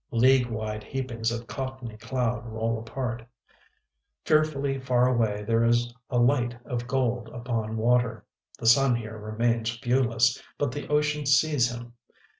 League wide heapings of cottony cloud roll apart. Fearfully far away there is a light of gold upon water: the sun here remains viewless, but the ocean sees him.